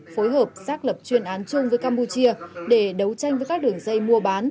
phối hợp xác lập chuyên án chung với campuchia để đấu tranh với các đường dây mua bán